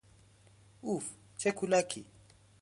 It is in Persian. اوف، چه کولاکی!